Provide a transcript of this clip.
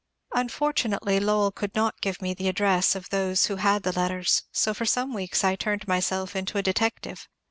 Unfortunately, Lowell could not give me the address of those who had the letters, so for some weeks I turned myself into a detective.